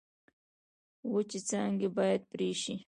وچې څانګې باید پرې شي.